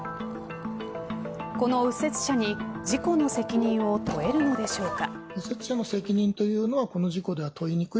この右折車に事故の責任を問えるのでしょうか。